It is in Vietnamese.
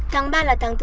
tháng ba là tháng thứ một